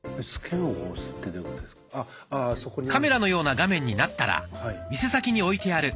カメラのような画面になったら店先に置いてある